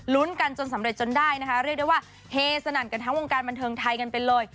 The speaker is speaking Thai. กันจนสำเร็จจนได้นะคะเรียกได้ว่าเฮสนั่นกันทั้งวงการบันเทิงไทยกันไปเลย